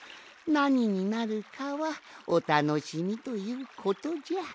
なにになるかはおたのしみということじゃ。